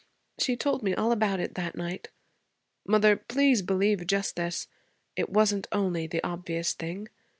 She told me all about it that night. Mother, please believe just this: it wasn't only the obvious thing.